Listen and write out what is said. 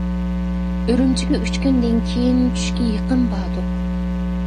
ئۈرۈمچىگە ئۈچ كۈندىن كىيىن، چۈشكە يېقىن باردۇق.